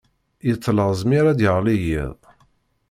Yettlaẓ mi ara d-yeɣli yiḍ